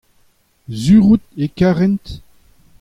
sur out e karent.